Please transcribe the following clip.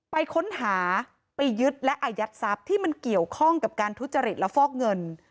ไปค้นหาไปยึดและอายัดทรัพย์ที่มันเกี่ยวข้องกับการทุจริตและฟอกเงิน